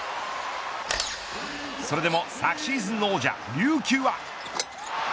それでも昨シーズンの王者、琉球は。